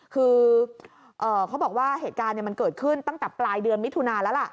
คือเขาบอกว่าเหตุการณ์มันเกิดขึ้นตั้งแต่ปลายเดือนมิถุนาแล้วล่ะ